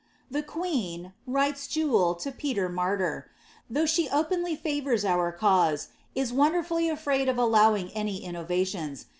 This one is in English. ■■The queen," writes Jewel to Peler Hap tyr, " ihoiifrh she openly favours our cause, is wonderfully afraid of al lowing any innovations.